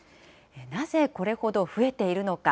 なぜこれほど増えているのか。